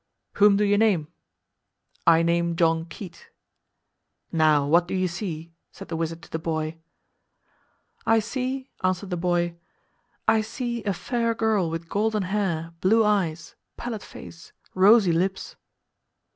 "Whom do you name?"—"I name John Keate."—"Now, what do you see?" said the wizard to the boy.—"I see," answered the boy, "I see a fair girl with golden hair, blue eyes, pallid face, rosy lips."